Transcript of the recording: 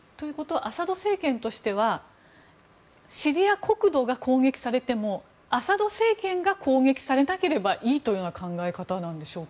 アサド政権としてはシリア国土が攻撃されても、アサド政権が攻撃されなければいいという考え方なんでしょうか。